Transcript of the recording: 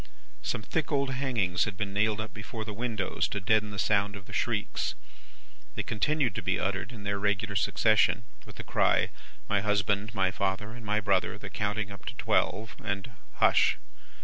Some thick old hangings had been nailed up before the windows, to deaden the sound of the shrieks. They continued to be uttered in their regular succession, with the cry, 'My husband, my father, and my brother!' the counting up to twelve, and 'Hush!